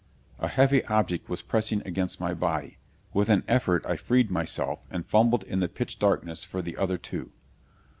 A heavy object was pressing across my body. With an effort I freed myself and fumbled in the pitch darkness for the other two.